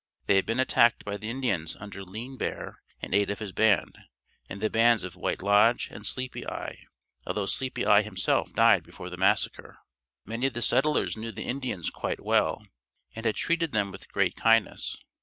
They had been attacked by the Indians under Lean Bear and eight of his band, and the bands of White Lodge and Sleepy Eye, although Sleepy Eye himself died before the massacre. Many of the settlers knew the Indians quite well and had treated them with great kindness.